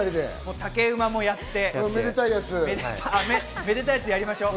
竹馬もやって、めでたいやつ、やりましょう。